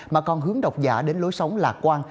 mà còn hướng đọc giả đến lối sống lạc quan